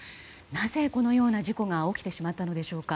なぜこのような事故が起きてしまったのでしょうか。